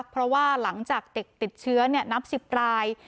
เพราะว่าหลังจากเด็กติดเชื้อนับ๑๐ราย